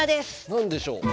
何でしょう。